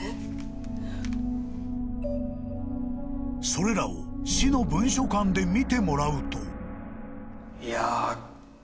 ［それらを市の文書館で見てもらうと］